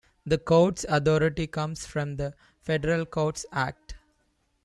The Court's authority comes from the "Federal Courts Act".